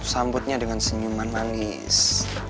sambutnya dengan senyuman manggis